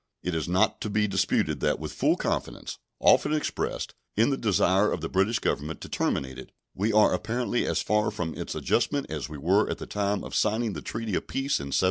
It is not to be disguised that, with full confidence, often expressed, in the desire of the British Government to terminate it, we are apparently as far from its adjustment as we were at the time of signing the treaty of peace in 1783.